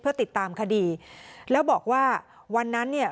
เพื่อติดตามคดีแล้วบอกว่าวันนั้นเนี่ย